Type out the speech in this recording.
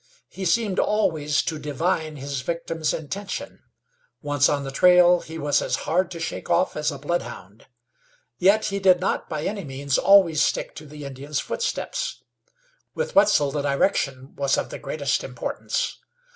He seemed always to divine his victim's intention. Once on the trail he was as hard to shake off as a bloodhound. Yet he did not, by any means, always stick to the Indian's footsteps. With Wetzel the direction was of the greatest importance.